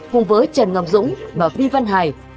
cùng với trần ngọc dũng và vi văn hải